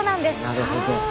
なるほど！